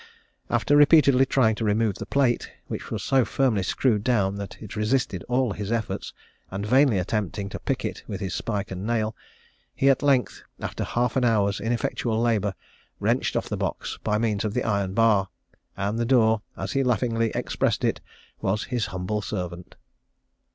After repeatedly trying to remove the plate, which was so firmly screwed down that it resisted all his efforts, and vainly attempting to pick it with his spike and nail, he at length, after half an hour's ineffectual labour, wrenched off the box by means of the iron bar, and the door, as he laughingly expressed it, 'was his humble servant.'